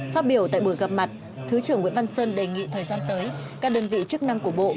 phát biểu tại buổi gặp mặt thứ trưởng nguyễn văn sơn đề nghị thời gian tới các đơn vị chức năng của bộ